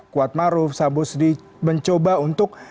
kuatmaru sambu sudi mencoba untuk